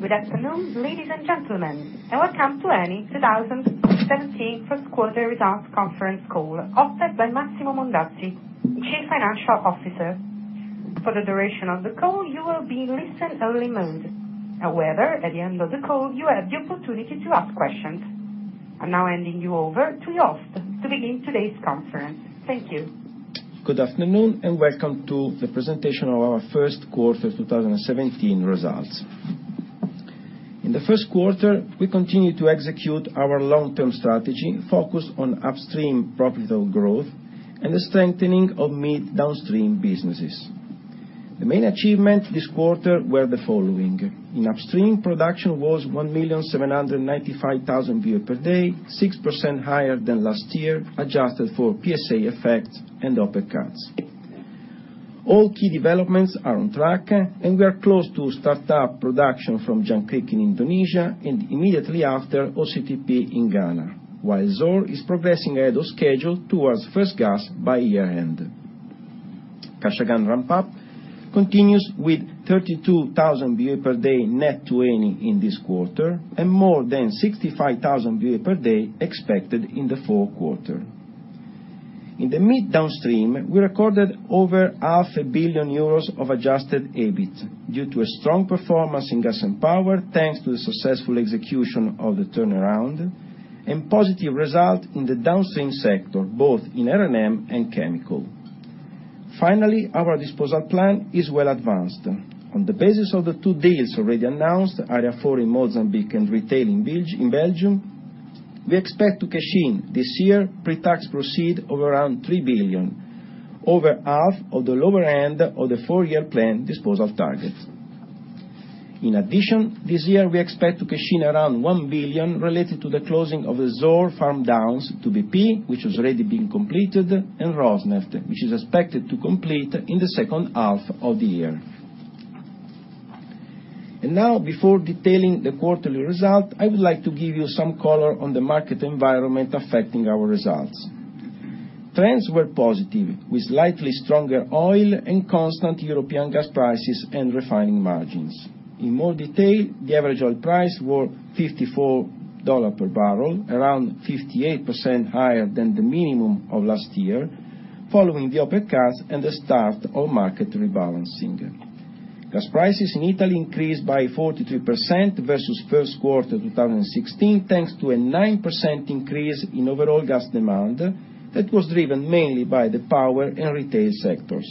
Good afternoon, ladies and gentlemen, welcome to Eni 2017 first quarter results conference call, hosted by Massimo Mondazzi, Chief Financial Officer. For the duration of the call, you will be listening only mode. However, at the end of the call, you will have the opportunity to ask questions. I'm now handing you over to host to begin today's conference. Thank you. Good afternoon, welcome to the presentation of our first quarter 2017 results. In the first quarter, we continued to execute our long-term strategy focused on upstream profitable growth and the strengthening of mid downstream businesses. The main achievement this quarter were the following. In upstream, production was 1,795,000 barrel per day, 6% higher than last year, adjusted for PSA effects and OPEC cuts. All key developments are on track, and we are close to start up production from Jangkrik in Indonesia, and immediately after, OCTP in Ghana. While Zohr is progressing ahead of schedule towards first gas by year-end. Kashagan ramp-up continues with 32,000 barrel per day net to Eni in this quarter, and more than 65,000 barrel per day expected in the fourth quarter. In the mid downstream, we recorded over half a billion EUR of adjusted EBIT due to a strong performance in gas and power, thanks to the successful execution of the turnaround, and positive result in the downstream sector, both in R&M and chemical. Finally, our disposal plan is well advanced. On the basis of the two deals already announced, Area 4 in Mozambique and Retail in Belgium, we expect to cash in this year pre-tax proceed of around 3 billion, over half of the lower end of the four-year plan disposal target. In addition, this year, we expect to cash in around 1 billion related to the closing of the Zohr farm downs to BP, which has already been completed, and Rosneft, which is expected to complete in the second half of the year. Now, before detailing the quarterly result, I would like to give you some color on the market environment affecting our results. Trends were positive, with slightly stronger oil and constant European gas prices and refining margins. In more detail, the average oil price was $54 per barrel, around 58% higher than the minimum of last year, following the OPEC cuts and the start of market rebalancing. Gas prices in Italy increased by 43% versus first quarter 2016, thanks to a 9% increase in overall gas demand that was driven mainly by the power and retail sectors.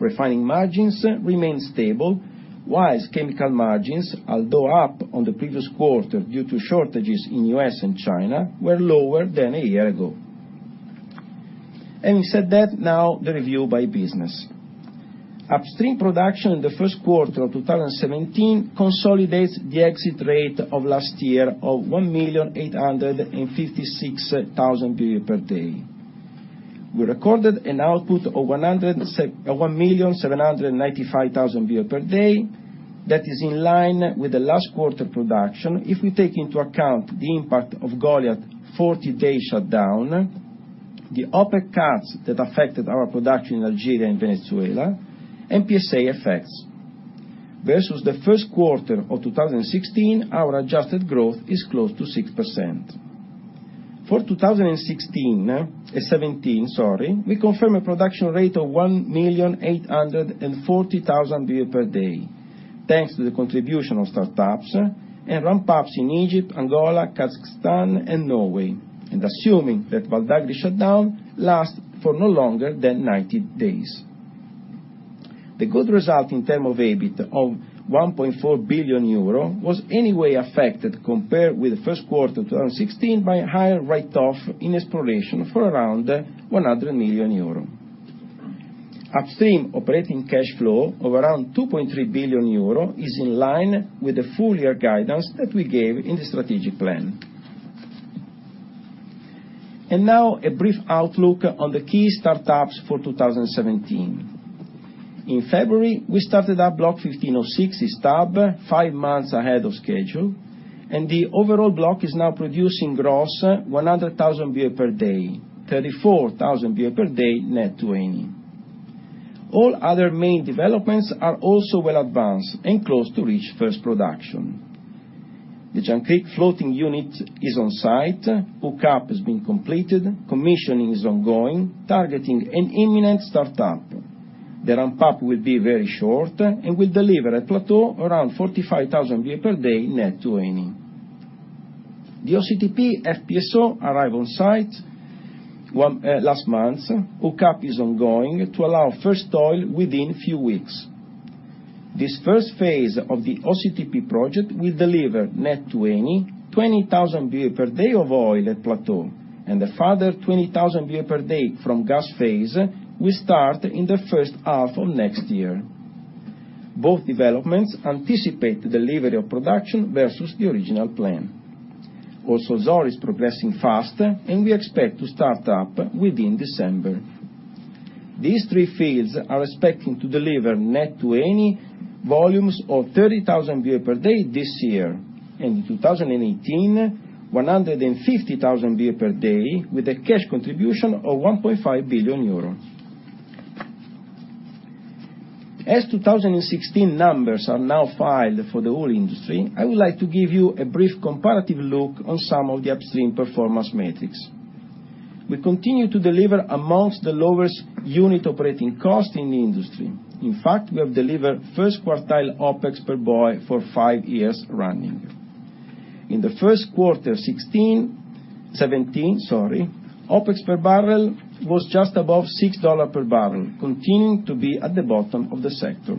Refining margins remained stable, whilst chemical margins, although up on the previous quarter due to shortages in U.S. and China, were lower than a year ago. Having said that, now the review by business. Upstream production in the first quarter of 2017 consolidates the exit rate of last year of 1,856,000 barrel per day. We recorded an output of 1,795,000 barrel per day. That is in line with the last quarter production, if we take into account the impact of Goliat 40-day shutdown, the OPEC cuts that affected our production in Algeria and Venezuela, and PSA effects. Versus the first quarter of 2016, our adjusted growth is close to 6%. For 2017, we confirm a production rate of 1,840,000 barrel per day, thanks to the contribution of startups and ramp-ups in Egypt, Angola, Kazakhstan and Norway, and assuming that Val d'Agri shutdown lasts for no longer than 90 days. The good result in term of EBIT of 1.4 billion euro was affected compared with first quarter 2016 by higher write-off in exploration for around 100 million euro. Upstream operating cash flow of around 2.3 billion euro is in line with the full year guidance that we gave in the strategic plan. Now a brief outlook on the key startups for 2017. In February, we started our Block 15/06 East Hub five months ahead of schedule, and the overall block is now producing gross 100,000 barrel per day, 34,000 barrel per day net to Eni. All other main developments are also well advanced and close to reach first production. The Jangkrik floating unit is on site, hookup has been completed, commissioning is ongoing, targeting an imminent startup. The ramp-up will be very short and will deliver a plateau around 45,000 barrel per day net to Eni. The OCTP FPSO arrived on site last month. Hookup is ongoing to allow first oil within few weeks. This first phase of the OCTP project will deliver, net to Eni, 20,000 barrel per day of oil at plateau, and a further 20,000 barrel per day from gas phase will start in the first half of next year. Both developments anticipate delivery of production versus the original plan. Also, Zohr is progressing fast, and we expect to start up within December. These three fields are expecting to deliver, net to Eni, volumes of 30,000 barrel per day this year. In 2018, 150,000 barrel per day with a cash contribution of 1.5 billion euro. As 2016 numbers are now filed for the oil industry, I would like to give you a brief comparative look on some of the upstream performance metrics. We continue to deliver amongst the lowest unit operating cost in the industry. In fact, we have delivered first quartile OpEx per boe for five years running. In the first quarter 2016, 2017, sorry, OpEx per barrel was just above $6 per barrel, continuing to be at the bottom of the sector.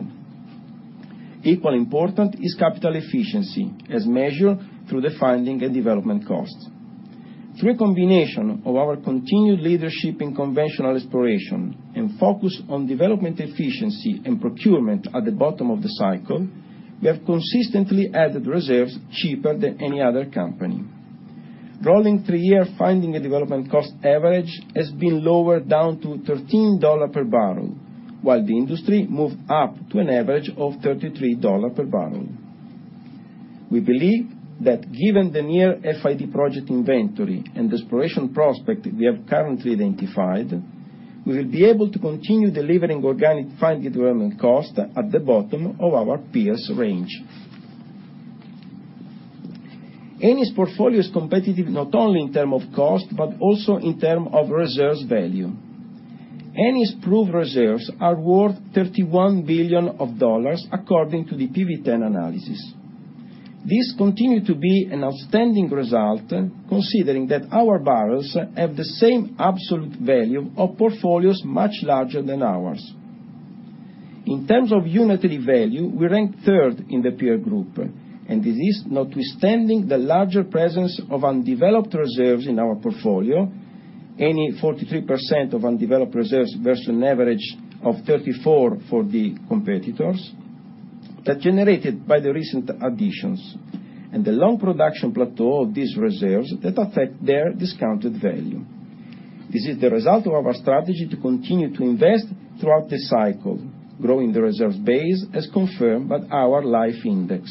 Equally important is capital efficiency, as measured through the finding and development cost. Through a combination of our continued leadership in conventional exploration and focus on development efficiency and procurement at the bottom of the cycle, we have consistently added reserves cheaper than any other company. Rolling three-year finding and development cost average has been lowered down to $13 per barrel, while the industry moved up to an average of $33 per barrel. We believe that given the near FID project inventory and exploration prospect we have currently identified, we will be able to continue delivering organic finding and development cost at the bottom of our peers' range. Eni's portfolio is competitive not only in term of cost, but also in term of reserves value. Eni's proved reserves are worth EUR 31 billion according to the PV 10 analysis. This continues to be an outstanding result, considering that our barrels have the same absolute value of portfolios much larger than ours. In terms of unitary value, we rank third in the peer group. This is notwithstanding the larger presence of undeveloped reserves in our portfolio, Eni, 43% of undeveloped reserves versus an average of 34% for the competitors, generated by the recent additions, and the long production plateau of these reserves that affect their discounted value. This is the result of our strategy to continue to invest throughout the cycle, growing the reserves base, as confirmed by our life index.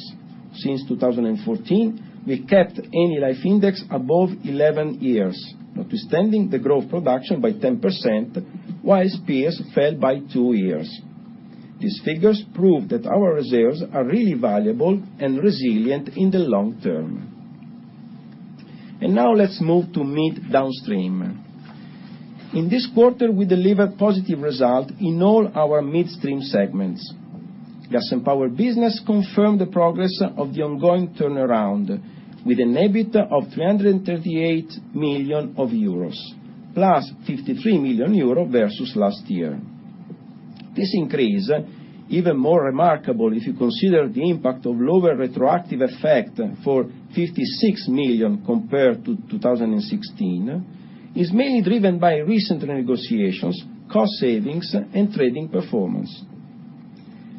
Since 2014, we kept Eni life index above 11 years, notwithstanding the growth production by 10%, whilst peers fell by two years. These figures prove that our reserves are really valuable and resilient in the long term. Now let's move to mid downstream. In this quarter, we delivered positive results in all our midstream segments. Gas and Power business confirmed the progress of the ongoing turnaround, with an EBIT of 338 million euros, plus 53 million euros versus last year. This increase, even more remarkable if you consider the impact of lower retroactive effect for 56 million compared to 2016, is mainly driven by recent negotiations, cost savings, and trading performance.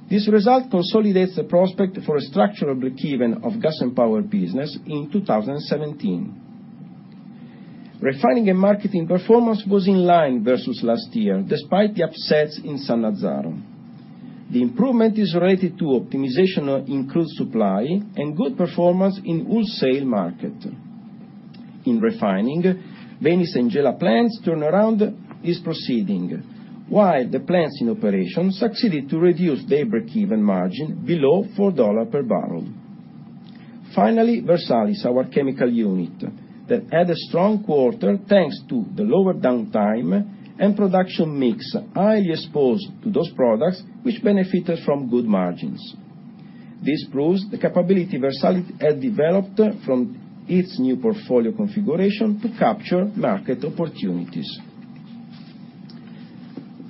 This result consolidates the prospect for a structural breakeven of Gas and Power business in 2017. Refining and Marketing performance was in line versus last year, despite the upsets in Sannazzaro. The improvement is related to optimization in crude supply and good performance in wholesale market. In refining, Venice and Gela plants turnaround is proceeding, while the plants in operation succeeded to reduce their breakeven margin below $4 per barrel. Finally, Versalis, our chemical unit, had a strong quarter thanks to the lower downtime and production mix highly exposed to those products which benefited from good margins. This proves the capability Versalis had developed from its new portfolio configuration to capture market opportunities.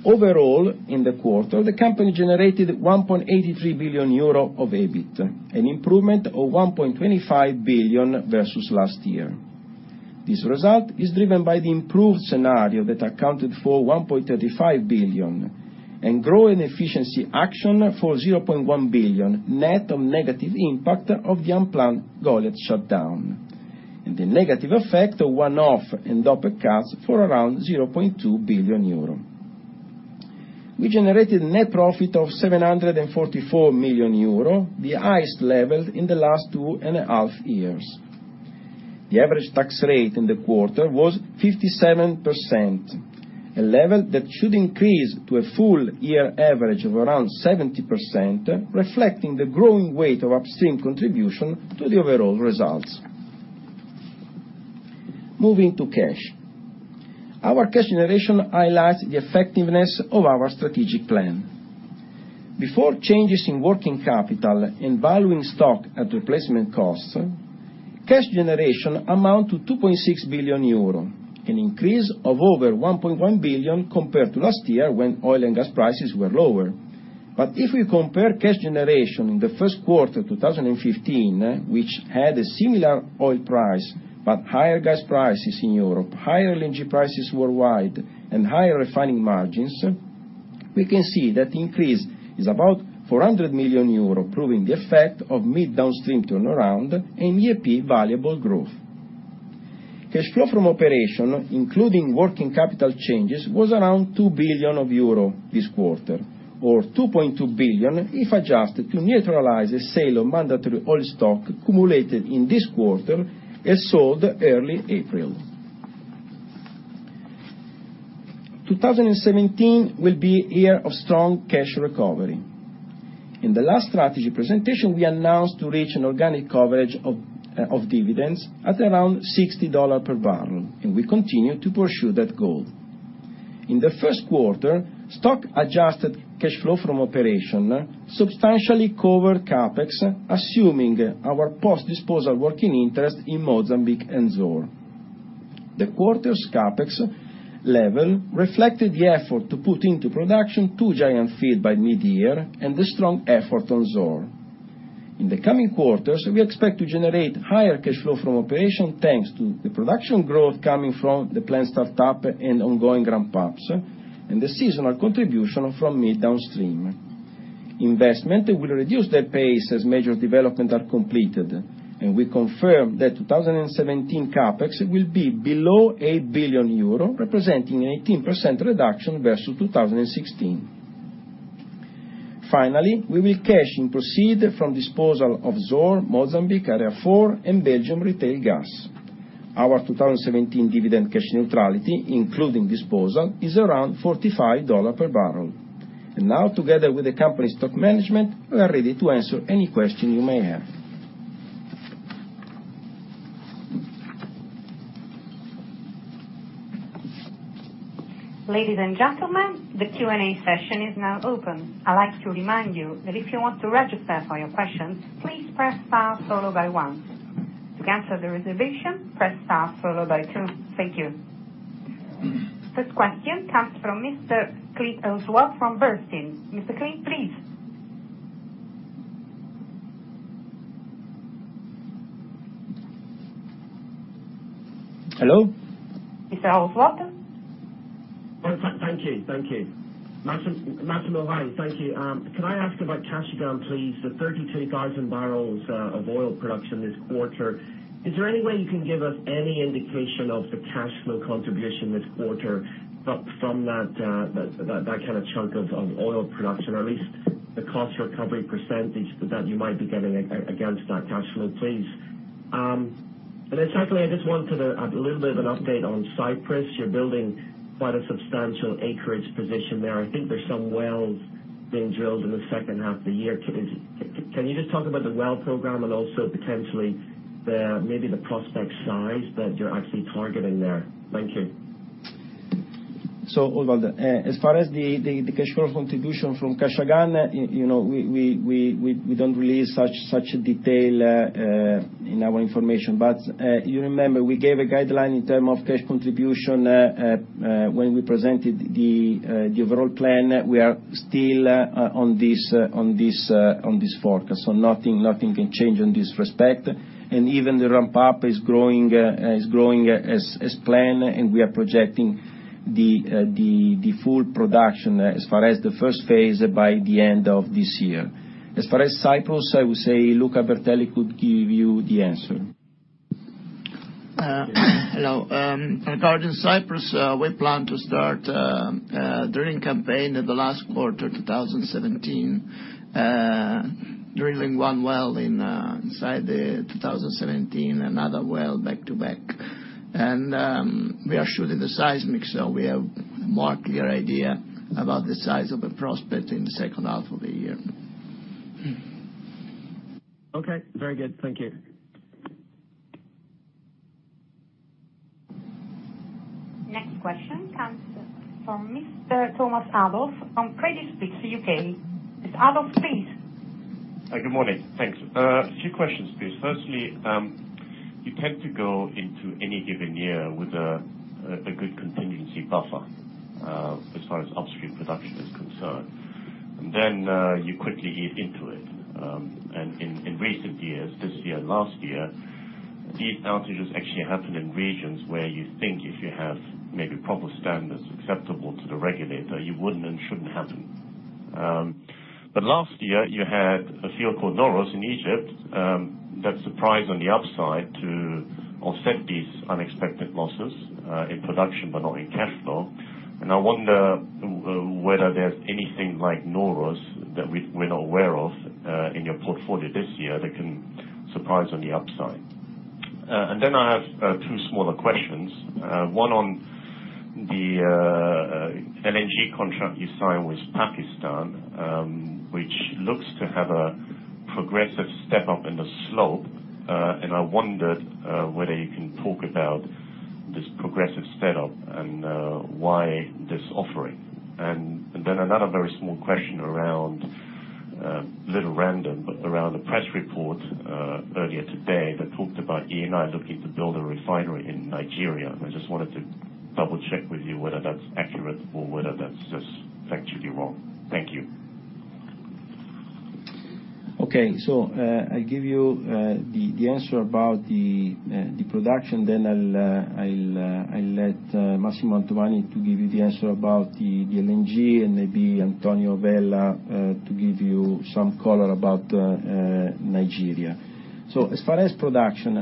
Overall, in the quarter, the company generated 1.83 billion euro of EBIT, an improvement of 1.25 billion versus last year. This result is driven by the improved scenario that accounted for 1.35 billion and growing efficiency action for 0.1 billion, net of negative impact of the unplanned Goliat shutdown, and the negative effect of one-off and OPEC cuts for around 0.2 billion euro. We generated net profit of 744 million euro, the highest level in the last two and a half years. The average tax rate in the quarter was 57%, a level that should increase to a full year average of around 70%, reflecting the growing weight of upstream contribution to the overall results. Moving to cash. Our cash generation highlights the effectiveness of our strategic plan. Before changes in working capital and valuing stock at replacement cost, cash generation amounted to 2.6 billion euro, an increase of over 1.1 billion compared to last year when oil and gas prices were lower. If we compare cash generation in the first quarter 2015, which had a similar oil price but higher gas prices in Europe, higher LNG prices worldwide, and higher refining margins, we can see that the increase is about 400 million euro, proving the effect of mid downstream turnaround and E&P valuable growth. Cash flow from operation, including working capital changes, was around 2 billion euro this quarter, or 2.2 billion if adjusted to neutralize the sale of mandatory oil stock accumulated in this quarter and sold early April. 2017 will be a year of strong cash recovery. In the last strategy presentation, we announced to reach an organic coverage of dividends at around $60 per barrel. We continue to pursue that goal. In the first quarter, stock-adjusted cash flow from operation substantially covered CapEx, assuming our post-disposal working interest in Mozambique and Zohr. The quarter's CapEx level reflected the effort to put into production two giant field by mid-year and the strong effort on Zohr. In the coming quarters, we expect to generate higher cash flow from operation, thanks to the production growth coming from the planned startup and ongoing ramp-ups, and the seasonal contribution from mid downstream. Investment will reduce the pace as major development are completed. We confirm that 2017 CapEx will be below 8 billion euro, representing an 18% reduction versus 2016. Finally, we will cash in proceed from disposal of Zohr, Mozambique Area 4, and Belgium Retail Gas. Our 2017 dividend cash neutrality, including disposal, is around $45 per barrel. Now, together with the company stock management, we are ready to answer any question you may have. Ladies and gentlemen, the Q&A session is now open. I'd like to remind you that if you want to register for your questions, please press star followed by one. To cancel the reservation, press star followed by two. Thank you. First question comes from Mr. Oswald Clint from Bernstein. Mr. Clint, please. Hello? Mr. Oswald? Thank you. Massimo, hi. Thank you. Can I ask about Kashagan, please? The 32,000 barrels of oil production this quarter, is there any way you can give us any indication of the cash flow contribution this quarter from that kind of chunk of oil production? Or at least the cost recovery percentage that you might be getting against that cash flow, please. Secondly, I just wanted a little bit of an update on Cyprus. You're building quite a substantial acreage position there. I think there's some wells being drilled in the second half of the year. Can you just talk about the well program and also potentially, maybe the prospect size that you're actually targeting there? Thank you. Oswald, as far as the cash flow contribution from Kashagan, we don't release such detail in our information. You remember, we gave a guideline in term of cash contribution when we presented the overall plan. We are still on this forecast. Nothing can change in this respect. Even the ramp-up is growing as planned, and we are projecting the full production as far as the first phase by the end of this year. As far as Cyprus, I would say Luca Bertelli could give you the answer. Hello. Regarding Cyprus, we plan to start drilling campaign in the last quarter 2017. Drilling one well inside the 2017, another well back-to-back. We are shooting the seismic, we have more clear idea about the size of a prospect in the second half of the year. Okay. Very good. Thank you. Next question comes from Mr. Thomas Adolff from Credit Suisse, U.K. Mr. Adolff, please. Good morning. Thanks. A few questions, please. Firstly, you tend to go into any given year with a good contingency buffer, as far as upstream production is concerned. Then, you quickly eat into it. In recent years, this year and last year, these outages actually happened in regions where you think if you have maybe proper standards acceptable to the regulator, it wouldn't and shouldn't happen. Last year, you had a field called Zohr in Egypt, that surprised on the upside to offset these unexpected losses in production but not in cash flow. I wonder whether there's anything like Zohr that we're not aware of in your portfolio this year that can surprise on the upside. Then I have two smaller questions. One on the LNG contract you signed with Pakistan, which looks to have a progressive step up in the slope. I wondered whether you can talk about this progressive step up, and why this offering. Then another very small question around, a little random, but around the press report earlier today that talked about Eni looking to build a refinery in Nigeria. I just wanted to double check with you whether that's accurate or whether that's just factually wrong. Thank you. Okay. I give you the answer about the production, then I'll let Massimo Mantovani to give you the answer about the LNG, and maybe Antonio Vella to give you some color about Nigeria. As far as production,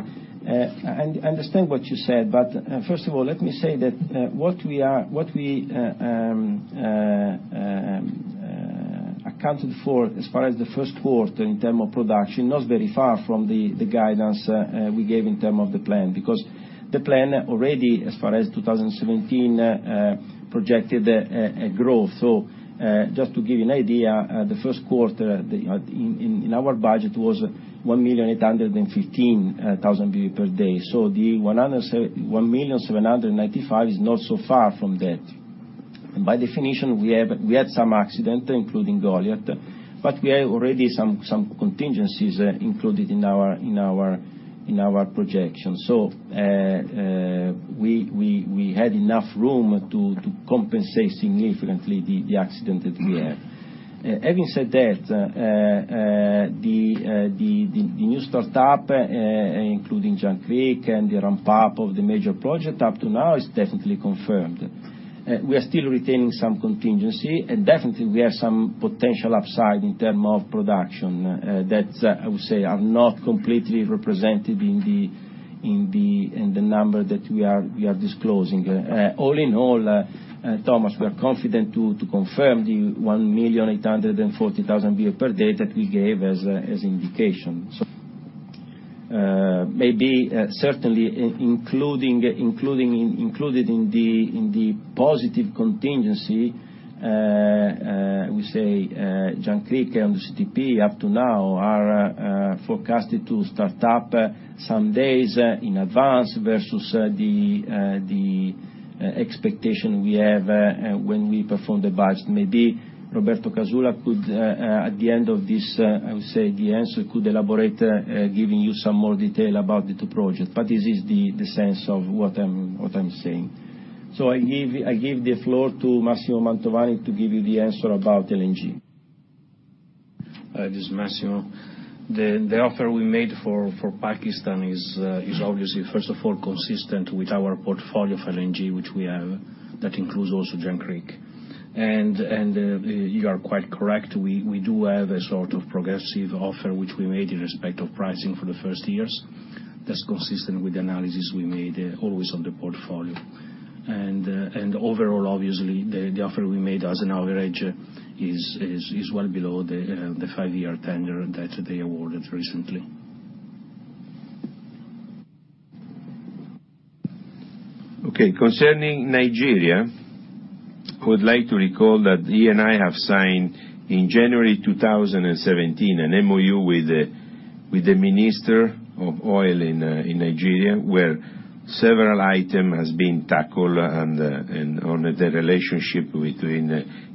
I understand what you said, but first of all, let me say that what we accounted for, as far as the first quarter in term of production, not very far from the guidance we gave in term of the plan, because the plan already, as far as 2017, projected a growth. Just to give you an idea, the first quarter in our budget was 1,815,000 boe per day. The 1,795,000 is not so far from that. By definition, we had some accident, including Goliat, but we have already some contingencies included in our projection. We had enough room to compensate significantly the accident that we have. Having said that, the new startup, including Jangkrik and the ramp up of the major project up to now is definitely confirmed. We are still retaining some contingency, and definitely we have some potential upside in term of production, that I would say are not completely represented in the number that we are disclosing. All in all, Thomas, we are confident to confirm the 1,840,000 boe per day that we gave as indication. Maybe certainly included in the positive contingency, we say Jangkrik and the OCTP up to now are forecasted to start up some days in advance versus the expectation we have when we performed the budget. Maybe Roberto Casula could, at the end of this, I would say, the answer could elaborate, giving you some more detail about the two projects. This is the sense of what I'm saying. I give the floor to Massimo Mantovani to give you the answer about LNG. This is Massimo. The offer we made for Pakistan is obviously, first of all, consistent with our portfolio for LNG, which we have. That includes also Jangkrik. You are quite correct, we do have a sort of progressive offer, which we made in respect of pricing for the first years. That's consistent with the analysis we made always on the portfolio. Overall, obviously, the offer we made as an average is well below the five-year tender that they awarded recently. Concerning Nigeria, I would like to recall that Eni have signed in January 2017, an MoU with the Minister of Oil in Nigeria, where several item has been tackled on the relationship between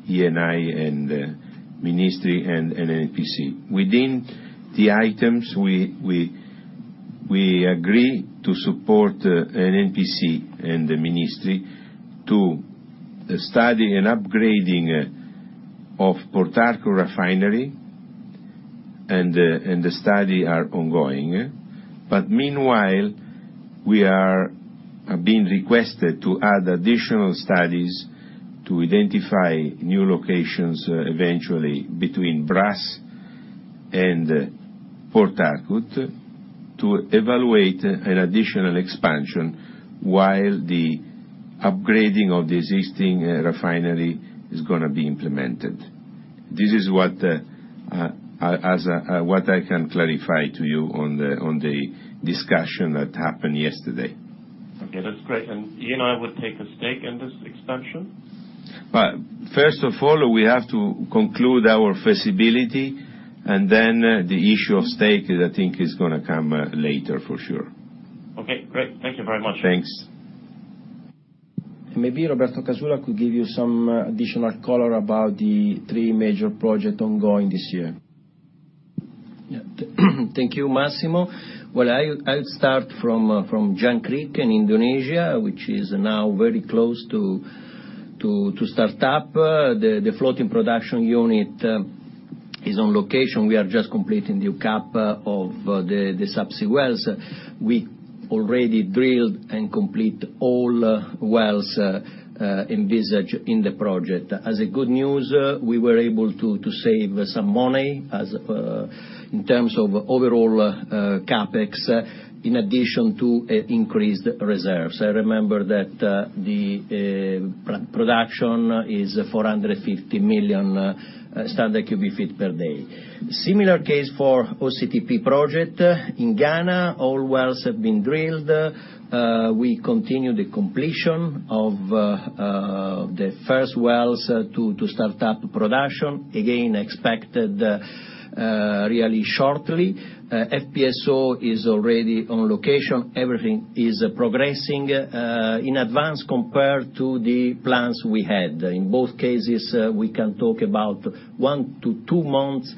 Eni and the Ministry and NNPC. Within the items, we agree to support NNPC and the Ministry to study an upgrading of Port Harcourt refinery, and the study are ongoing. Meanwhile, we are being requested to add additional studies to identify new locations eventually between Brass and Port Harcourt to evaluate an additional expansion while the upgrading of the existing refinery is going to be implemented. This is what I can clarify to you on the discussion that happened yesterday. Okay, that's great. Eni would take a stake in this expansion? First of all, we have to conclude our feasibility, then the issue of stake, I think, is going to come later for sure. Okay, great. Thank you very much. Thanks. Maybe Roberto Casula could give you some additional color about the three major project ongoing this year. Thank you, Massimo. Well, I'll start from Jangkrik in Indonesia, which is now very close to start up. The floating production unit is on location. We are just completing the cap of the subsea wells. We already drilled and complete all wells envisaged in the project. As a good news, we were able to save some money in terms of overall CapEx in addition to increased reserves. I remember that the production is 450 million standard cubic feet per day. Similar case for OCTP project in Ghana. All wells have been drilled. We continue the completion of the first wells to start up production. Again, expected really shortly. FPSO is already on location. Everything is progressing in advance compared to the plans we had. In both cases, we can talk about one to two months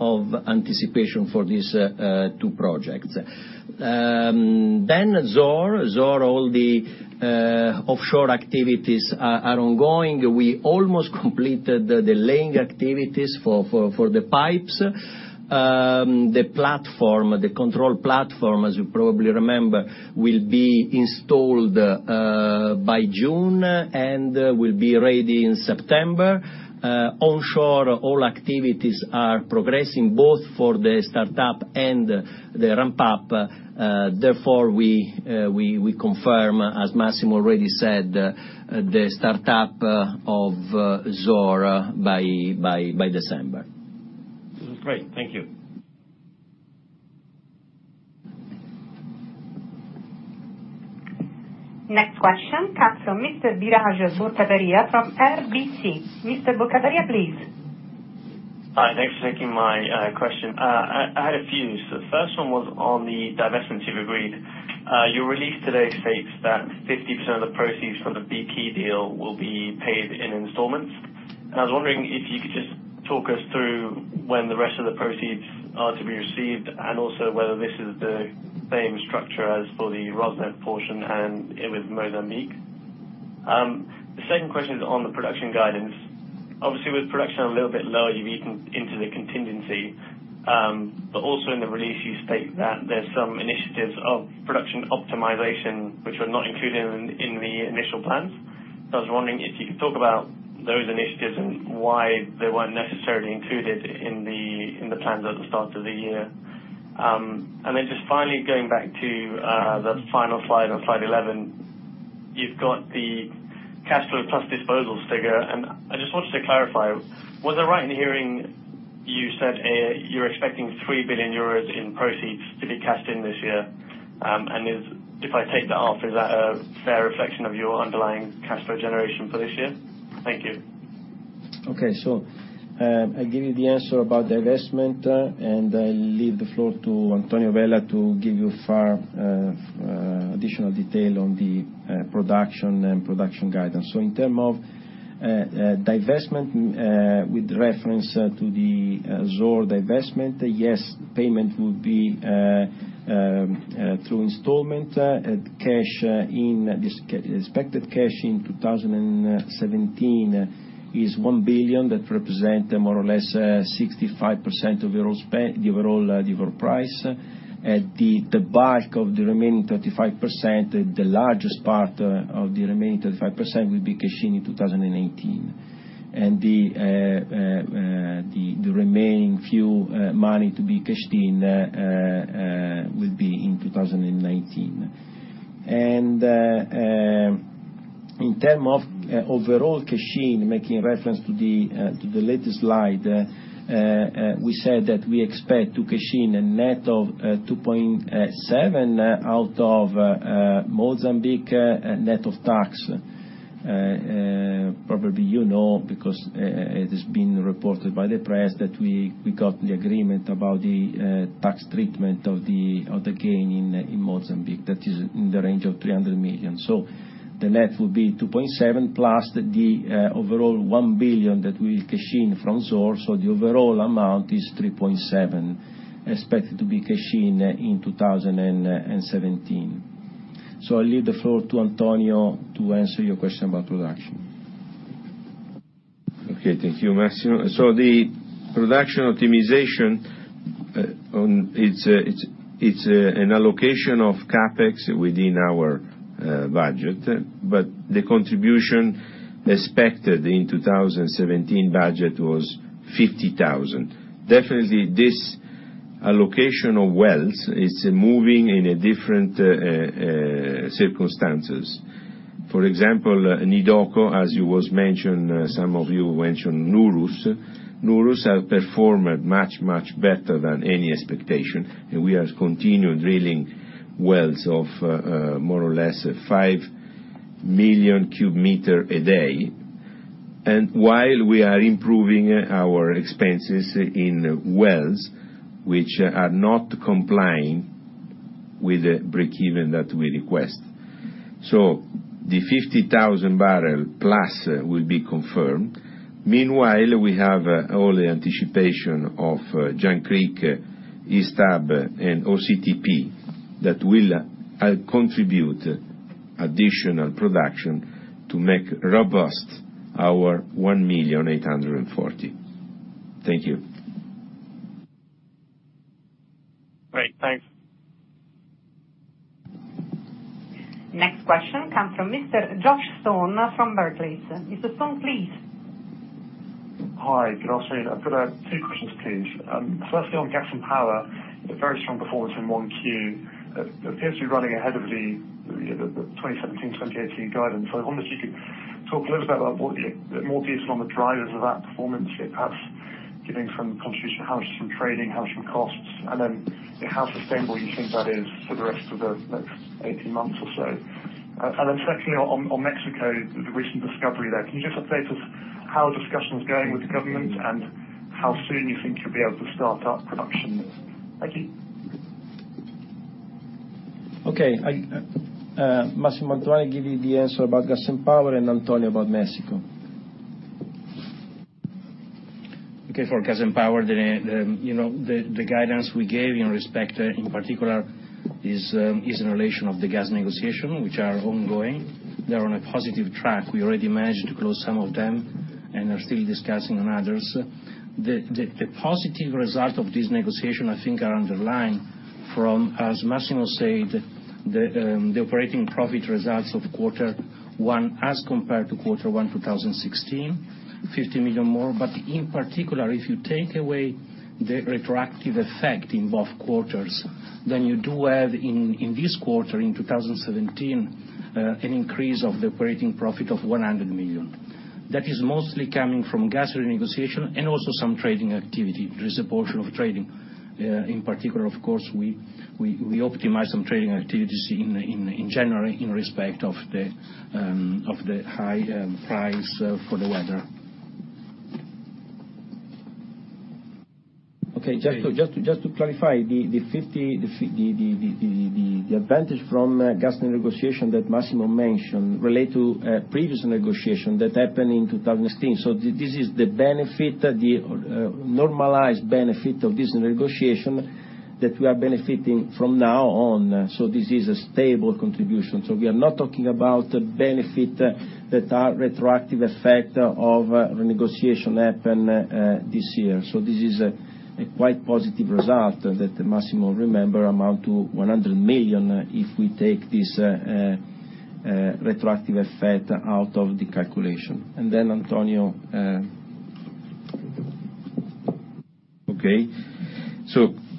of anticipation for these two projects. Zohr. Zohr, all the offshore activities are ongoing. We almost completed the laying activities for the pipes. The platform, the control platform, as you probably remember, will be installed by June and will be ready in September. Onshore, all activities are progressing both for the startup and the ramp up. We confirm, as Massimo already said, the startup of Zohr by December. Great. Thank you. Next question comes from Mr. Biraj Borkhataria from RBC. Mr. Borkhataria, please. Hi, thanks for taking my question. I had a few. The first one was on the divestments you've agreed. Your release today states that 50% of the proceeds from the BP deal will be paid in installments. I was wondering if you could just talk us through when the rest of the proceeds are to be received, and also whether this is the same structure as for the Rosneft portion and with Mozambique. The second question is on the production guidance. Obviously, with production a little bit low, you've eaten into the contingency. Also in the release, you state that there's some initiatives of production optimization which were not included in the initial plans. I was wondering if you could talk about those initiatives and why they weren't necessarily included in the plans at the start of the year. Just finally going back to the final slide on slide 11, you've got the cash flow plus disposals figure, and I just wanted to clarify, was I right in hearing you said you're expecting 3 billion euros in proceeds to be cashed in this year? If I take the half, is that a fair reflection of your underlying cash flow generation for this year? Thank you. I'll give you the answer about the investment, and I leave the floor to Antonio Vella to give you additional detail on the production and production guidance. In term of divestment, with reference to the Zohr divestment, yes, payment will be through installment. Expected cash in 2017 is 1 billion, that represent more or less 65% of the overall price. The bulk of the remaining 35%, the largest part of the remaining 35%, will be cashed in in 2018. The remaining few money to be cashed in will be in 2019. In term of overall cash in, making reference to the latest slide, we said that we expect to cash in a net of 2.7 out of Mozambique, net of tax. Probably you know, because it has been reported by the press, that we got the agreement about the tax treatment of the gain in Mozambique, that is in the range of 300 million. The net will be 2.7 plus the overall 1 billion that we'll cash in from Zohr. The overall amount is 3.7 expected to be cashed in in 2017. I leave the floor to Antonio to answer your question about production. Thank you, Massimo. The production optimization, it's an allocation of CapEx within our budget. The contribution expected in 2017 budget was 50,000. Definitely, this allocation of wells is moving in a different circumstances. For example, Nidoco, as it was mentioned, some of you mentioned Nooros. Nooros has performed much, much better than any expectation, and we are continuing drilling wells of more or less 5 million cube meter a day. While we are improving our expenses in wells, which are not complying with the breakeven that we request. The 50,000 barrel plus will be confirmed. Meanwhile, we have all the anticipation of Jangkrik, East Hub, and OCTP that will contribute additional production to make robust our 1,840,000. Thank you. Great. Thanks. Next question comes from Mr. Joshua Stone from Barclays. Mr. Stone, please. Hi, good afternoon. I've got two questions, please. Firstly, on gas and power, a very strong performance in 1 Q. It appears to be running ahead of the 2017, 2018 guidance. I wonder if you could talk a little bit about more detail on the drivers of that performance, perhaps giving some contribution, how much from trading, how much from costs, and then how sustainable you think that is for the rest of the next 18 months or so. Secondly, on Mexico, the recent discovery there. Can you just update us how discussion's going with the government and how soon you think you'll be able to start up production? Thank you. Okay. Massimo Mantovani give you the answer about gas and power. Antonio about Mexico. Okay, for gas and power, the guidance we gave in respect, in particular, is in relation of the gas negotiation, which are ongoing. They're on a positive track. We already managed to close some of them and are still discussing on others. The positive result of this negotiation, I think, are underlined from, as Massimo said, the operating profit results of quarter one as compared to quarter one 2016, 50 million more. In particular, if you take away the retroactive effect in both quarters, you do have in this quarter, in 2017, an increase of the operating profit of 100 million. That is mostly coming from gas renegotiation and also some trading activity. There is a portion of trading. In particular, of course, we optimize some trading activities in general in respect of the high price for the weather. Okay. Just to clarify, the advantage from gas renegotiation that Massimo mentioned relate to previous negotiation that happened in 2016. This is the normalized benefit of this negotiation that we are benefiting from now on. This is a stable contribution. We are not talking about benefit that are retroactive effect of renegotiation happened this year. This is a quite positive result that Massimo remember amount to 100 million, if we take this retroactive effect out of the calculation. Antonio. Okay.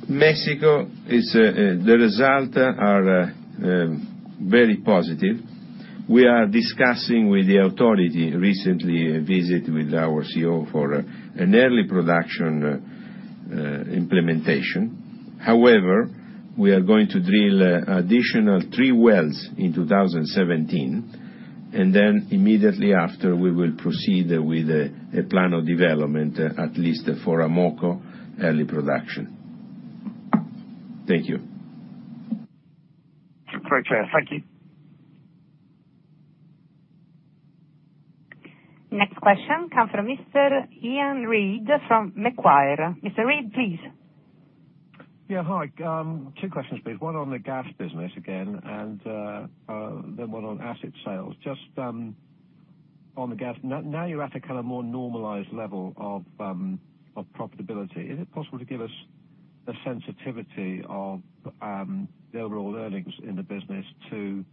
Mexico, the result are very positive. We are discussing with the authority, recently a visit with our CEO for an early production implementation. However, we are going to drill additional three wells in 2017. Immediately after, we will proceed with a plan of development, at least for Amoca early production. Thank you. Great. Thank you. Next question comes from Mr. Iain Reid from Macquarie. Mr. Reid, please. Hi. Two questions, please. One on the gas business again, Then one on asset sales. On the gas, now you're at a more normalized level of profitability. Is it possible to give us a sensitivity of the overall earnings in the business to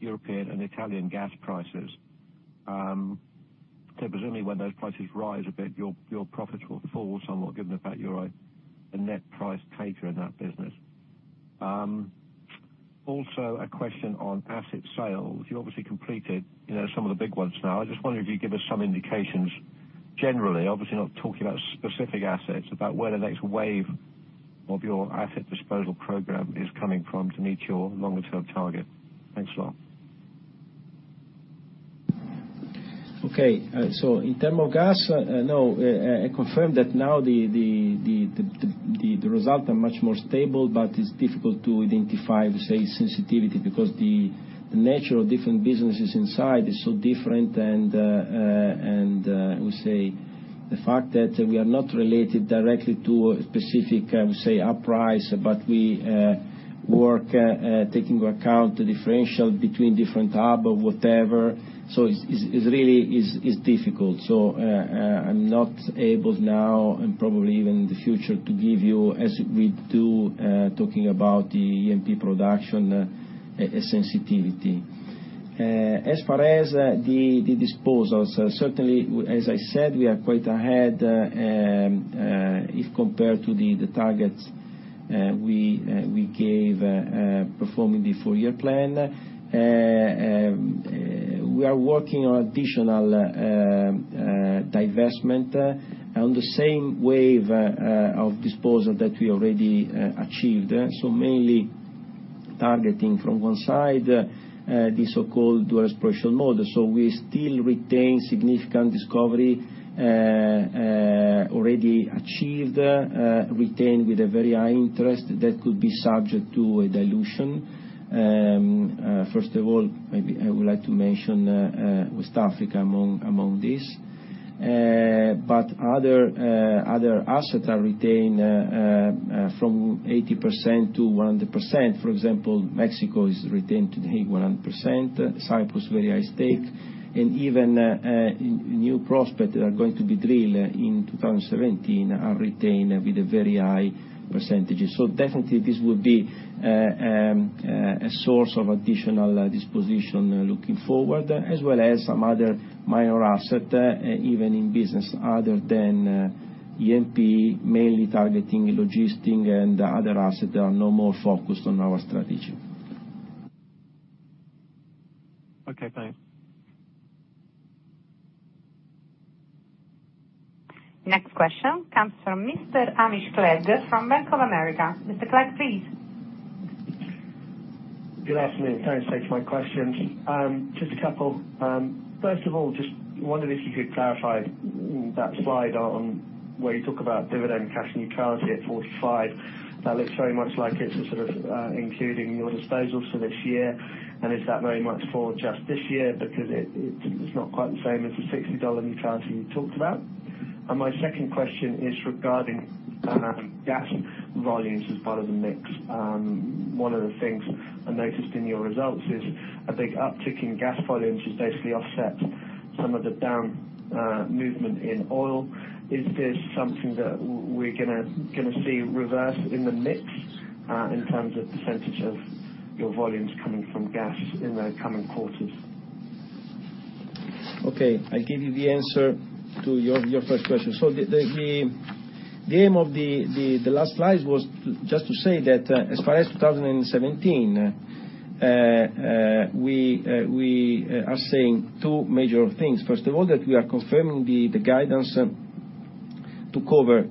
European and Italian gas prices? Presumably when those prices rise a bit, your profits will fall somewhat given the fact you're a net price taker in that business. A question on asset sales. You obviously completed some of the big ones now. I just wonder if you could give us some indications, generally, obviously not talking about specific assets, about where the next wave of your asset disposal program is coming from to meet your longer term target. Thanks a lot. Okay. In terms of gas, I confirm that now the results are much more stable, It's difficult to identify, we say, sensitivity, because the nature of different businesses inside is so different, We say the fact that we are not related directly to a specific, we say, price, but we work taking account the differential between different hub or whatever. It really is difficult. I'm not able now, and probably even in the future, to give you, as we do talking about the E&P production sensitivity. As far as the disposals, certainly, as I said, we are quite ahead, if compared to the targets we gave performing the four-year plan. We are working on additional divestment on the same wave of disposal that we already achieved. Mainly targeting from one side, the so-called dual exploration model. We still retain significant discovery already achieved, retain with a very high interest that could be subject to a dilution. Maybe I would like to mention West Africa among these. Other assets are retained from 80%-100%. For example, Mexico is retained today 100%, Cyprus, very high stake, and even new prospect that are going to be drilled in 2017 are retained with a very high percentages. Definitely this would be a source of additional disposition looking forward, as well as some other minor asset, even in business other than E&P, mainly targeting logistic and other asset that are no more focused on our strategy. Okay, thanks. Next question comes from Mr. Hamish Clegg from Bank of America. Mr. Clegg, please. Good afternoon. Thanks for taking my questions. Just a couple. Just wondered if you could clarify that slide on where you talk about dividend cash neutrality at $45. That looks very much like it's a sort of including your disposals for this year. Is that very much for just this year? Because it's not quite the same as the $60 neutrality you talked about. My second question is regarding gas volumes as part of the mix. One of the things I noticed in your results is a big uptick in gas volumes has basically offset some of the down movement in oil. Is this something that we're going to see reverse in the mix, in terms of percentage of your volumes coming from gas in the coming quarters? Okay. I give you the answer to your first question. The aim of the last slide was just to say that as far as 2017, we are saying two major things. First of all, that we are confirming the guidance to cover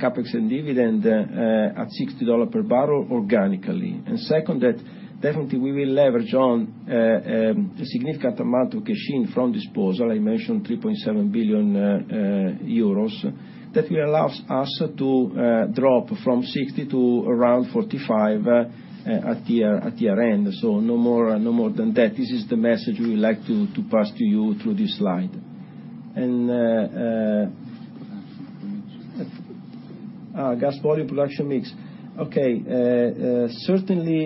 CapEx and dividend at $60 per barrel organically. Second, that definitely we will leverage on a significant amount of cash in from disposal. I mentioned 3.7 billion euros, that will allow us to drop from 60 to around 45 at year-end. No more than that. This is the message we would like to pass to you through this slide. Gas volume production mix. Okay. Certainly,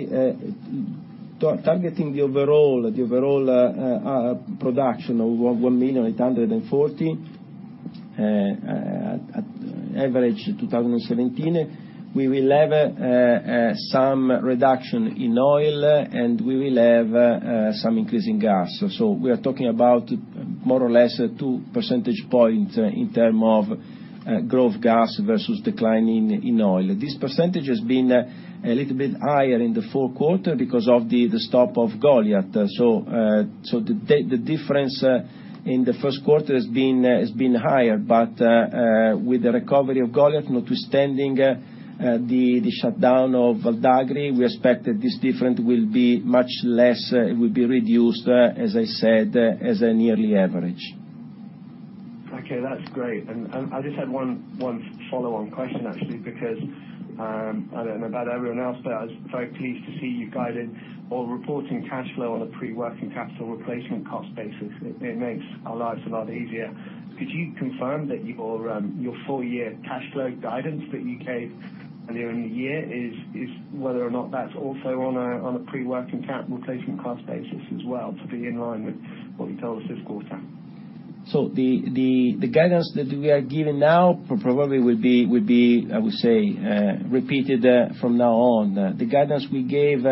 targeting the overall production of 1,840,000 at average 2017, we will have some reduction in oil, and we will have some increase in gas. We are talking about more or less two percentage points in term of growth gas versus decline in oil. This percentage has been a little bit higher in the fourth quarter because of the stop of Goliat. The difference in the first quarter has been higher, but with the recovery of Goliat, notwithstanding the shutdown of Val d'Agri, we expect that this different will be much less. It will be reduced, as I said, as a yearly average. Okay, that's great. I just had one follow-on question, actually, because I don't know about everyone else, but I was very pleased to see you guided or reporting cash flow on a pre-working capital replacement cost basis. It makes our lives a lot easier. Could you confirm that your full-year cash flow guidance that you gave earlier in the year, whether or not that's also on a pre-working capital replacement cost basis as well, to be in line with what you told us this quarter? The guidance that we are giving now probably would be, I would say, repeated from now on. The guidance we gave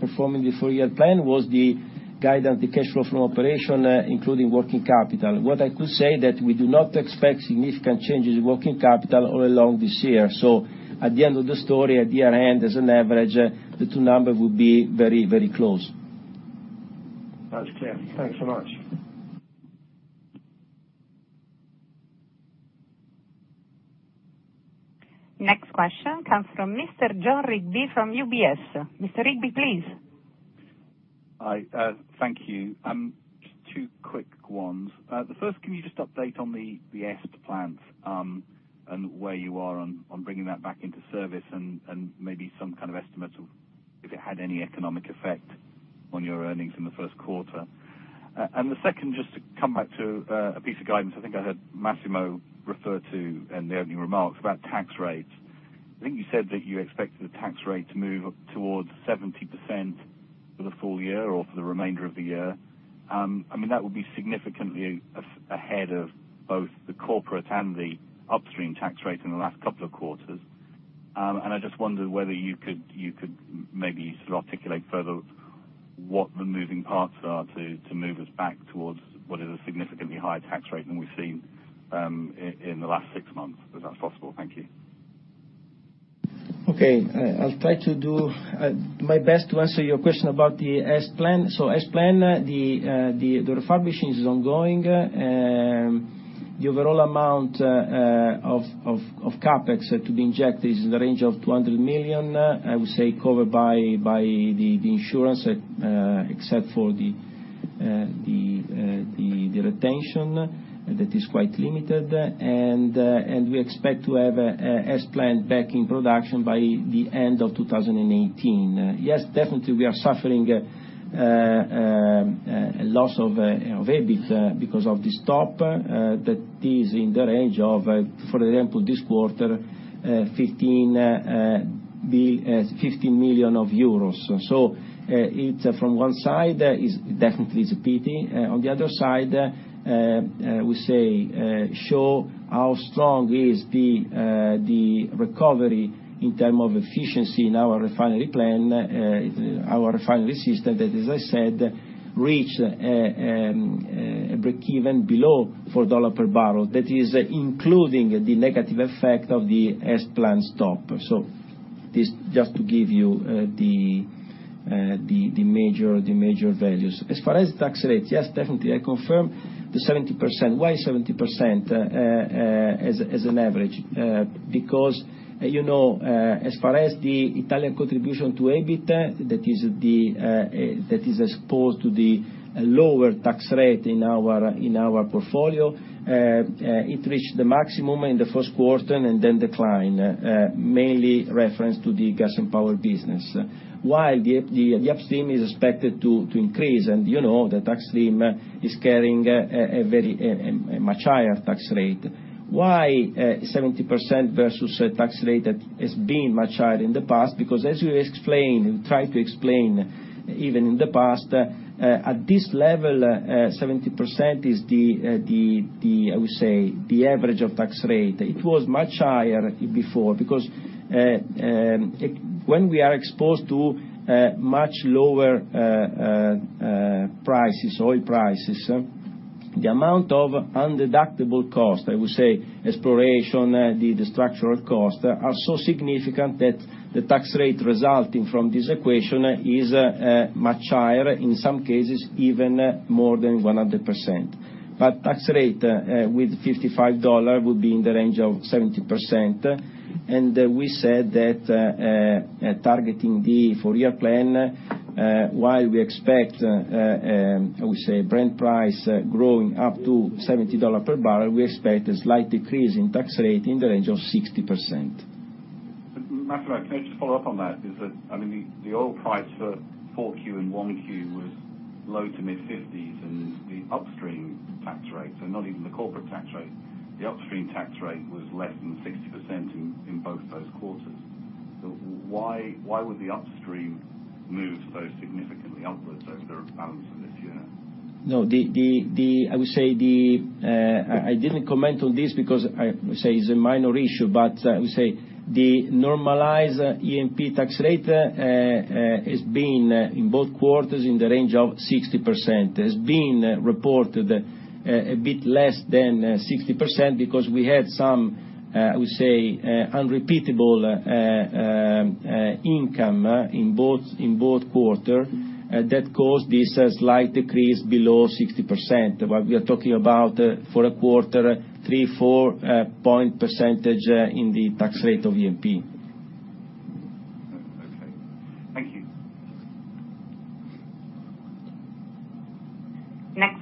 performing the four-year plan was the guidance, the cash flow from operation, including working capital. What I could say that we do not expect significant changes in working capital all along this year. At the end of the story, at year-end, as an average, the two number will be very close. That's clear. Thanks so much. Next question comes from Mr. Jon Rigby from UBS. Mr. Rigby, please. Hi. Thank you. Just two quick ones. The first, can you just update on the EST plant, and where you are on bringing that back into service and maybe some kind of estimate of if it had any economic effect on your earnings in the first quarter? The second, just to come back to a piece of guidance, I think I heard Massimo refer to in the opening remarks about tax rates. I think you said that you expected the tax rate to move towards 70% for the full year or for the remainder of the year. That would be significantly ahead of both the corporate and the upstream tax rate in the last couple of quarters. I just wondered whether you could maybe sort of articulate further what the moving parts are to move us back towards what is a significantly higher tax rate than we've seen in the last six months, if that's possible. Thank you. Okay. I'll try to do my best to answer your question about the EST plant. The refurbishing is ongoing. The overall amount of CapEx to be injected is in the range of 200 million, I would say covered by the insurance, except for the retention that is quite limited. We expect to have EST plant back in production by the end of 2018. Yes, definitely, we are suffering a loss of EBIT because of the stop that is in the range of, for example, this quarter, 15 million euros. From one side, definitely it's a pity. On the other side, we say, show how strong is the recovery in terms of efficiency in our refinery plan, our refinery system that, as I said, reached a break-even below $4 per barrel. That is including the negative effect of the EST plant stop. This just to give you the major values. As far as tax rates, yes, definitely, I confirm the 70%. Why 70% as an average? Because as far as the Italian contribution to EBIT, that is exposed to the lower tax rate in our portfolio, it reached the maximum in the first quarter and then declined, mainly in reference to the gas and power business, while the upstream is expected to increase. You know that upstream is carrying a much higher tax rate. Why 70% versus a tax rate that has been much higher in the past? Because as we tried to explain even in the past, at this level, 70% is, I would say, the average of tax rate. It was much higher before because when we are exposed to much lower oil prices. The amount of undeductible costs, I would say exploration, the structural cost, are so significant that the tax rate resulting from this equation is much higher, in some cases even more than 100%. Tax rate with $55 per barrel would be in the range of 70%. We said that targeting the four-year plan, while we expect, I would say, Brent price growing up to $70 per barrel, we expect a slight decrease in tax rate in the range of 60%. Massimo, can I just follow up on that? I mean, the oil price for 4Q and 1Q was low to mid 50s, and the upstream tax rate, not even the corporate tax rate, the upstream tax rate was less than 60% in both those quarters. Why would the upstream move so significantly upwards over the balance of this year? No, I didn't comment on this because I would say it's a minor issue, but the normalized E&P tax rate has been, in both quarters, in the range of 60%. It's been reported a bit less than 60% because we had some, I would say, unrepeatable income in both quarters that caused this slight decrease below 60%. But we are talking about, for a quarter, three, four percentage points in the tax rate of E&P. Okay. Thank you.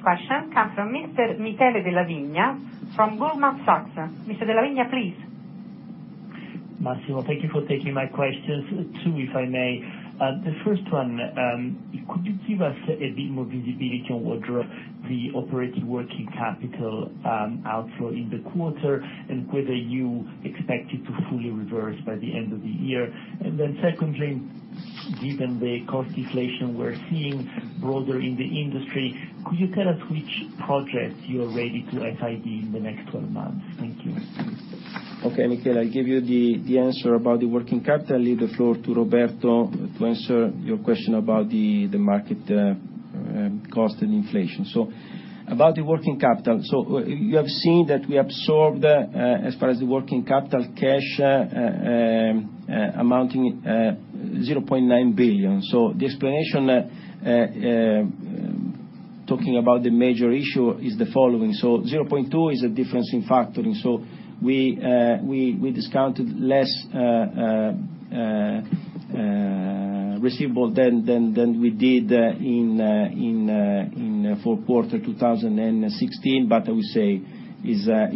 Next question comes from Mr. Michele Della Vigna from Goldman Sachs. Mr. Della Vigna, please. Massimo, thank you for taking my questions. Two, if I may. The first one, could you give us a bit more visibility on what drove the operating working capital outflow in the quarter, and whether you expect it to fully reverse by the end of the year? Secondly, given the cost deflation we're seeing broader in the industry, could you tell us which projects you are ready to FID in the next 12 months? Thank you. Okay, Michele, I give you the answer about the working capital. I leave the floor to Roberto to answer your question about the market cost and inflation. About the working capital. You have seen that we absorbed, as far as the working capital cash, amounting EUR 0.9 billion. The explanation, talking about the major issue, is the following. 0.2 is a difference in factoring. We discounted less receivable than we did in fourth quarter 2016, but I would say is a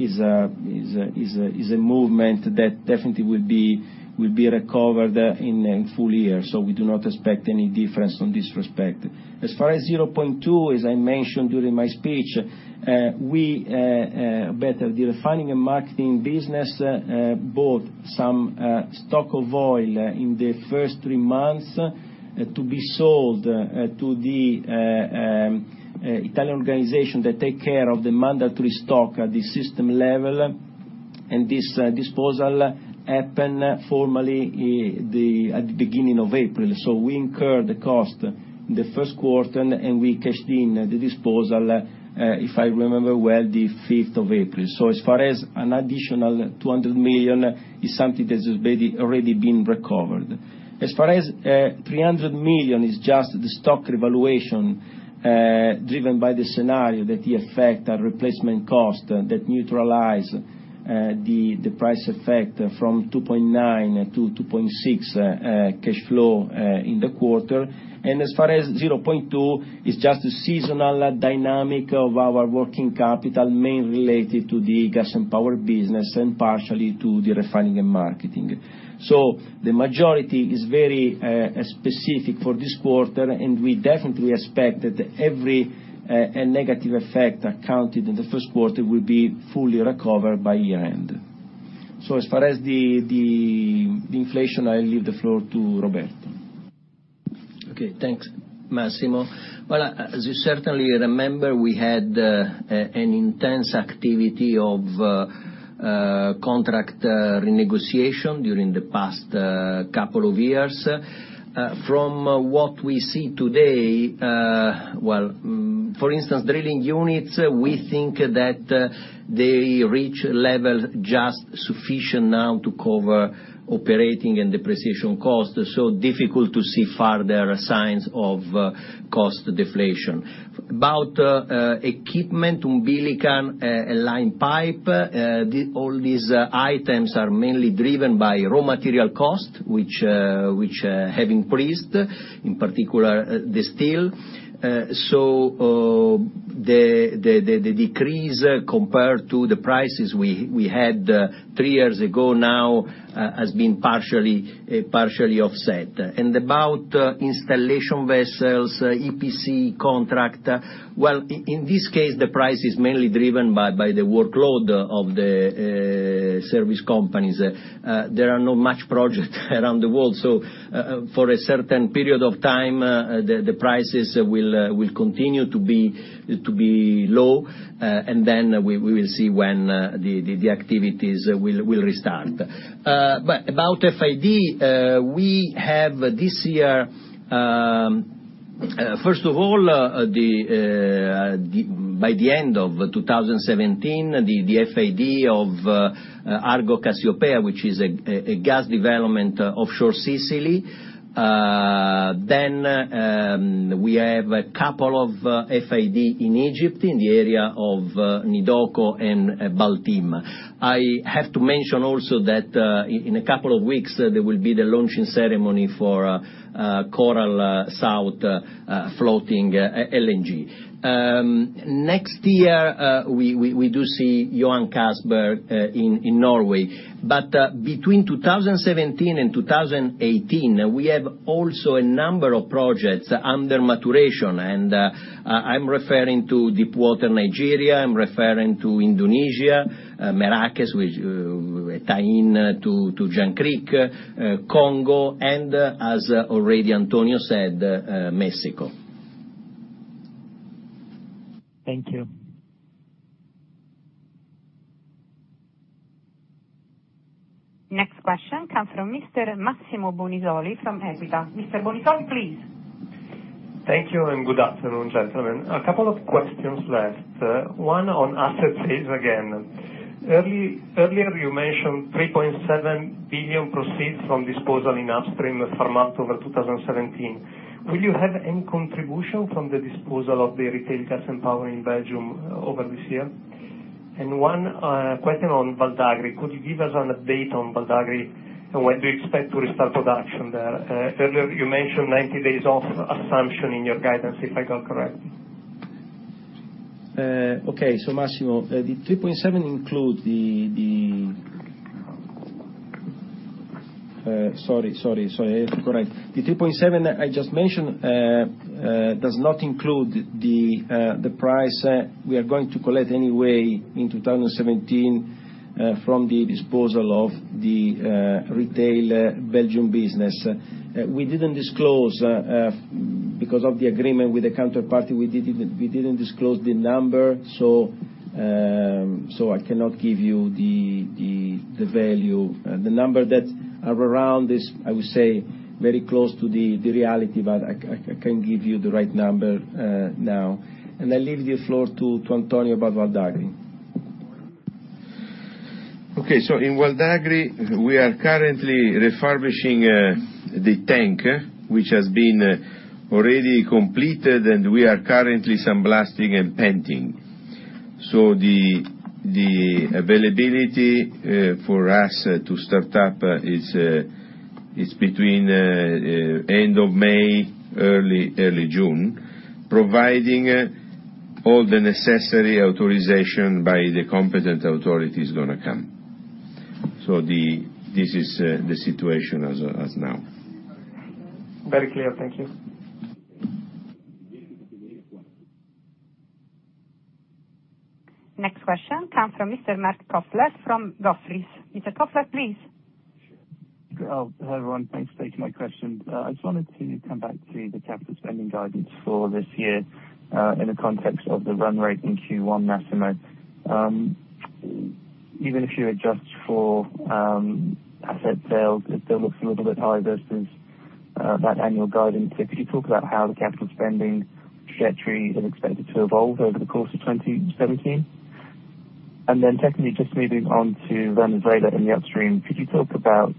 movement that definitely will be recovered in full year. We do not expect any difference on this respect. As far as 0.2, as I mentioned during my speech, the Refining & Marketing business bought some stock of oil in the first three months to be sold to the Italian organization that take care of the mandatory stock at the system level. This disposal happened formally at the beginning of April. We incurred the cost in the first quarter, and we cashed in the disposal, if I remember well, the 5th of April. As far as an additional 200 million, it's something that has already been recovered. As far as 300 million, is just the stock revaluation driven by the scenario that the effect, the replacement cost that neutralize the price effect from 2.9 to 2.6 cash flow in the quarter. As far as 0.2, it's just a seasonal dynamic of our working capital, mainly related to the Gas & Power business, and partially to the Refining & Marketing. The majority is very specific for this quarter, and we definitely expect that every negative effect accounted in the first quarter will be fully recovered by year-end. As far as the inflation, I leave the floor to Roberto. Okay. Thanks, Massimo. Well, as you certainly remember, we had an intense activity of contract renegotiation during the past couple of years. From what we see today, well, for instance, drilling units, we think that they reach level just sufficient now to cover operating and depreciation cost, difficult to see further signs of cost deflation. About equipment, umbilicus, and line pipe, all these items are mainly driven by raw material cost, which have increased, in particular the steel. The decrease compared to the prices we had three years ago now has been partially offset. About installation vessels, EPC contract, well, in this case, the price is mainly driven by the workload of the service companies. There are not much project around the world. For a certain period of time, the prices will continue to be low, then we will see when the activities will restart. About FID, we have this year. First of all, by the end of 2017, the FID of Argo Cassiopea, which is a gas development offshore Sicily. We have a couple of FID in Egypt, in the area of Nidoco and Baltim. I have to mention also that in a couple of weeks, there will be the launching ceremony for Coral South floating LNG. Next year, we do see Johan Sverdrup in Norway. Between 2017 and 2018, we have also a number of projects under maturation, and I'm referring to deep water Nigeria, I'm referring to Indonesia, Merakes, which tie in to Jangkrik, Congo, and as already Antonio said, Mexico. Thank you. Next question comes from Mr. Massimo Bonisoli from Equita. Mr. Bonisoli, please. Thank you. Good afternoon, gentlemen. A couple of questions left. One on asset sales again. Earlier, you mentioned 3.7 billion proceeds from disposal in upstream for month over 2017. Will you have any contribution from the disposal of the retail gas and power in Belgium over this year? One question on Val d'Agri. Could you give us an update on Val d'Agri, and when do you expect to restart production there? Earlier you mentioned 90 days off assumption in your guidance, if I got correct. Okay. Massimo, sorry, I have to correct. The 3.7 I just mentioned does not include the price we are going to collect anyway in 2017, from the disposal of the retail Belgium business. Because of the agreement with the counterparty, we didn't disclose the number, so I cannot give you the value. The number that are around is, I would say, very close to the reality, but I can't give you the right number now. I leave the floor to Antonio about Val d'Agri. Okay. In Val d'Agri, we are currently refurbishing the tank, which has been already completed, and we are currently sandblasting and painting. The availability for us to start up is between end of May, early June, providing all the necessary authorization by the competent authority is going to come. This is the situation as now. Very clear. Thank you. Next question comes from Mr. Thomas Adolff from Jefferies. Mr. Adolff, please. Sure. Hello, everyone. Thanks for taking my question. I just wanted to come back to the capital spending guidance for this year, in the context of the run rate in Q1, Massimo. Even if you adjust for asset sales, it still looks a little bit high versus that annual guidance. Could you talk about how the capital spending trajectory is expected to evolve over the course of 2017? Secondly, just moving on to Venezuela and the upstream. Could you talk about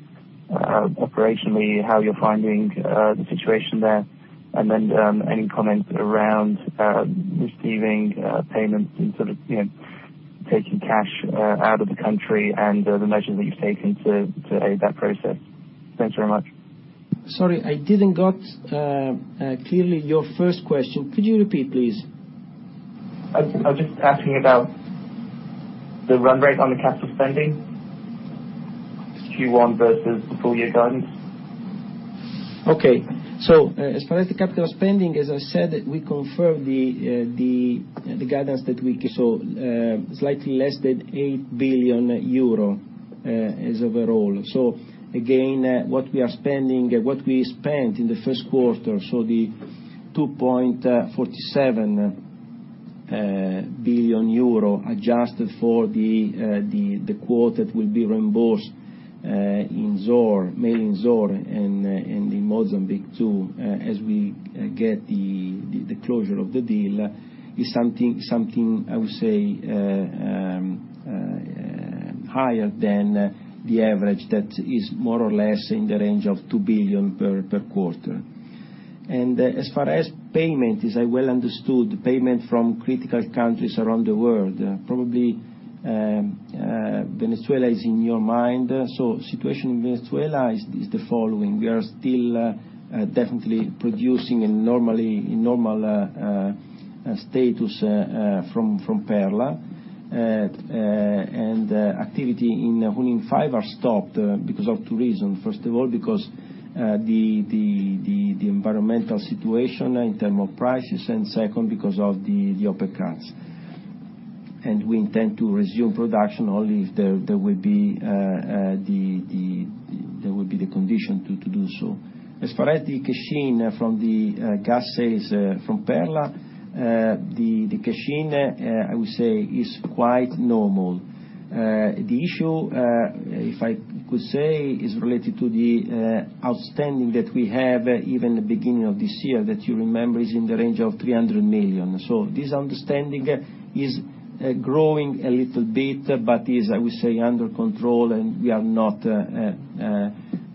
operationally how you're finding the situation there, any comments around receiving payments and sort of taking cash out of the country and the measures that you've taken to aid that process? Thanks very much. Sorry, I didn't got clearly your first question. Could you repeat, please? I was just asking about the run rate on the capital spending, Q1 versus the full year guidance. Okay. As far as the capital spending, as I said, we confirm the guidance that we give. Slightly less than 8 billion euro as overall. Again, what we spent in the first quarter. The 2.47 billion euro adjusted for the quote that will be reimbursed mainly in Zohr and in Mozambique too, as we get the closure of the deal, is something I would say higher than the average that is more or less in the range of 2 billion per quarter. As far as payment, as I well understood, payment from critical countries around the world, probably Venezuela is in your mind. Situation in Venezuela is the following. We are still definitely producing in normal status from Perla. Activity in Junín-5 are stopped because of two reasons. First of all, because the environmental situation in terms of prices, second, because of the OPEC cuts. We intend to resume production only if there will be the condition to do so. As far as the cash-in from the gas sales from Perla. The cash in, I would say, is quite normal. The issue, if I could say, is related to the outstanding that we have since the beginning of this year, that you remember is in the range of 300 million. This outstanding is growing a little bit but is, I would say, under control, and we are not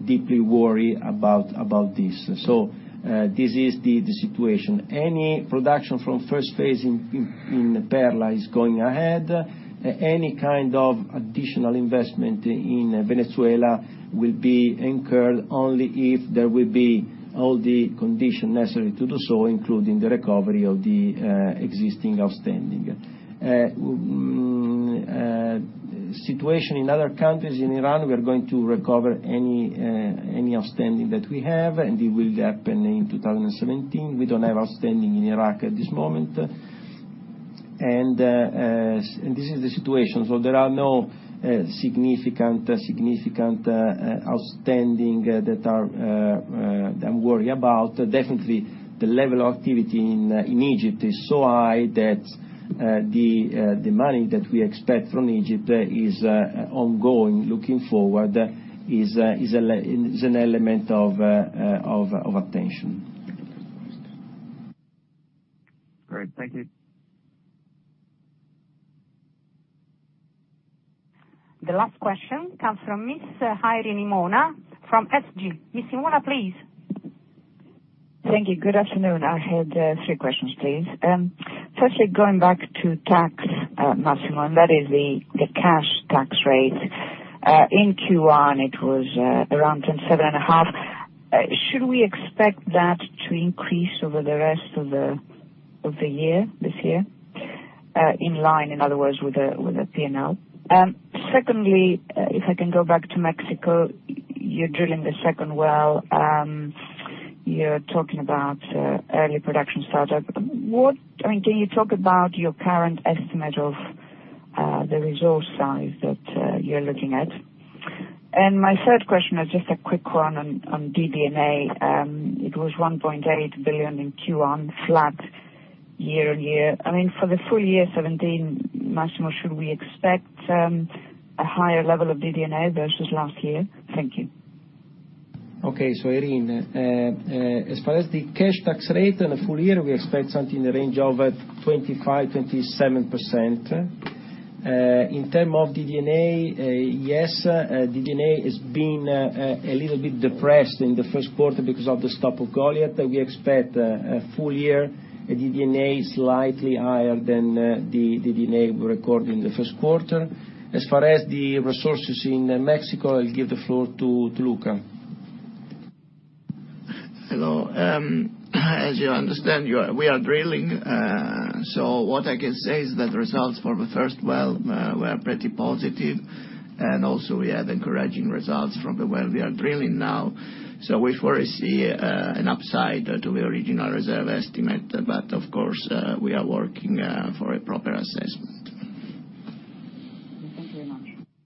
deeply worried about this. This is the situation. Any production from phase 1 in Perla is going ahead. Any kind of additional investment in Venezuela will be incurred only if there will be all the conditions necessary to do so, including the recovery of the existing outstanding. Situation in other countries, in Iran, we are going to recover any outstanding that we have, and it will happen in 2017. We don't have outstanding in Iraq at this moment. This is the situation. There are no significant outstanding that I'm worried about. Definitely, the level of activity in Egypt is so high that the money that we expect from Egypt is ongoing. Looking forward, this is an element of attention. Great. Thank you. The last question comes from Miss Irene Himona from SG. Miss Himona, please. Thank you. Good afternoon. I have three questions, please. Firstly, going back to tax, Massimo, and that is the cash tax rate. In Q1, it was around 10.7 and a half. Should we expect that to increase over the rest of the year, this year? In line, in other words, with the P&L. Secondly, if I can go back to Mexico, you're drilling the second well, you're talking about early production startup. Can you talk about your current estimate of the resource size that you're looking at? My third question is just a quick one on DD&A. It was 1.8 billion in Q1, flat year-on-year. For the full year 2017, Massimo, should we expect a higher level of DD&A versus last year? Thank you. Okay. Irene Himona, as far as the cash tax rate in a full year, we expect something in the range of 25%-27%. In terms of DD&A, yes, DD&A is being a little bit depressed in the first quarter because of the stop of Goliat. We expect a full year DD&A slightly higher than the DD&A we record in the first quarter. As far as the resources in Mexico, I'll give the floor to Luca. Hello. As you understand, we are drilling. What I can say is that results for the first well were pretty positive, also we have encouraging results from the well we are drilling now. We foresee an upside to the original reserve estimate. Of course, we are working for a proper assessment. Thank you very much.